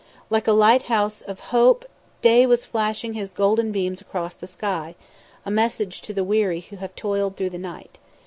Like a lighthouse of Hope, Day was flashing his golden beams across the sky, a message to the weary who have toiled through the night.